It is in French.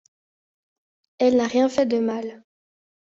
Elle n'a rien fait de mal.